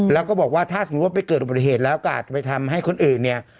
แล้วก็บอกว่าถ้าสมมุติว่าไปเกิดอุบัติเหตุแล้วก็อาจจะไปทำให้คนอื่นเนี่ย